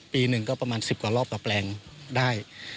ปีหนึ่งก็ประมาณ๑๐กว่ารอบต่อแปลงได้